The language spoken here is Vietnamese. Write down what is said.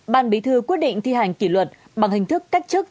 ban bí thư quyết định thi hành kỷ luật bằng hình thức cách chức